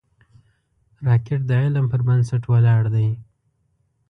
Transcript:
راکټ د علم پر بنسټ ولاړ دی